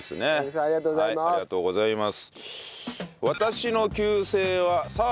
ありがとうございます。